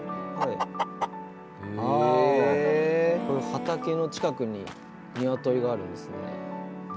あこの畑の近くにニワトリがあるんですね。